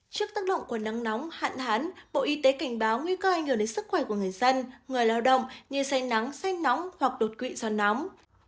trước tác động của nắng nóng hạn hán bộ y tế cảnh báo nguy cơ ảnh hưởng đến sức khỏe của người dân người lao động như say nắng say nóng hoặc đột quỵ do nóng